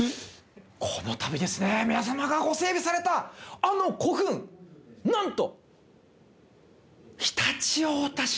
この度ですね皆様がご整備されたあの古墳なんと。